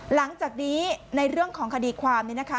หลังจากนี้ในเรื่องของคดีความเนี่ยนะคะ